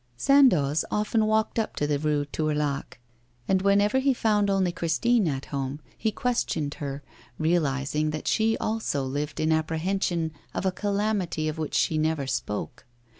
Sandoz often walked up to the Rue Tourlaque, and whenever he found only Christine at home, he questioned her, realising that she also lived in apprehension of a calamity of which she never spoke.